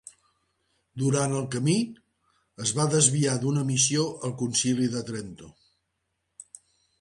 Durant el camí, es va desviar d'una missió al Concili de Trento.